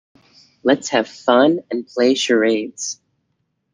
Let's have fun and play charades.